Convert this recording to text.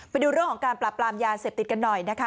ไปดูเรื่องของการปราบปรามยาเสพติดกันหน่อยนะคะ